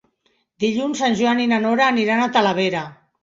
Dilluns en Joan i na Nora aniran a Talavera.